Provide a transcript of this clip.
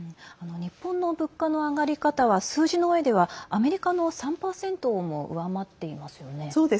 日本の物価の上がり方は数字の上ではアメリカの３％をも上回っていますよね。